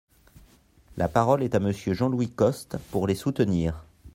La parole est à Monsieur Jean-Louis Costes, pour les soutenir.